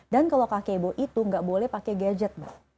dan kalau kakebo itu enggak boleh pakai gadget mbak